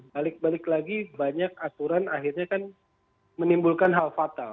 balik balik lagi banyak aturan akhirnya kan menimbulkan hal fatal